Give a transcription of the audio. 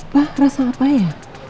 pak rasa apa ya